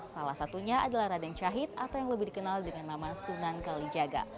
salah satunya adalah reden syahid atau yang lebih dikenal dengan nama sunan kali jaga